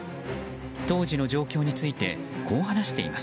当時の状況についてこう話しています。